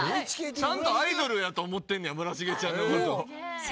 ちゃんとアイドルやと思ってんねや村重ちゃんのこと。